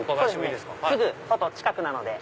すぐ外近くなので。